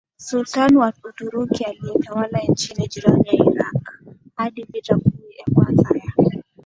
Sultani wa Uturuki aliyetawala nchi jirani ya Irak hadi vita kuu ya kwanza ya